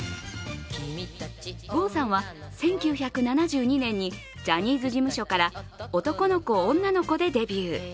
郷さんは１９７２年にジャニーズ事務所から「男の子女の子」でデビュー。